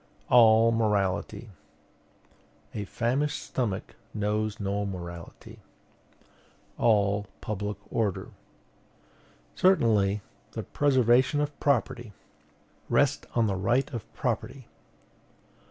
"All morality, " A famished stomach knows no morality, "All public order, " Certainly, the preservation of property, "Rest on the right of property."